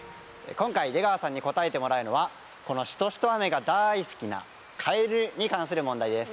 今回出川さんに答えてもらうのはこのしとしと雨が大好きなカエルに関する問題です。